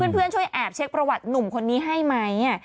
เพื่อนช่วยแอบเช็คประวัติหนุ่มคนนี้ให้ไหม